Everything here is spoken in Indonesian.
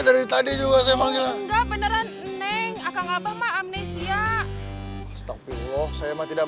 dari tadi juga semangat enggak beneran neng akan abah ma'am nesya astagfirullah saya mah tidak